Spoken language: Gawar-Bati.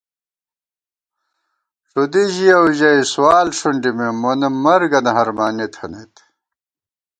ݭُدی ژِیَؤ ژَئی سُوال ݭُنڈِمېم، مونہ مرگَنہ ہرمانےتھنَئیت